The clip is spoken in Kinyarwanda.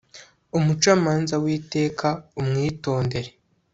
umucamanza w'iteka, umwitondere